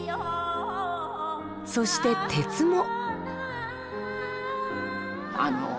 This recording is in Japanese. そして鉄も。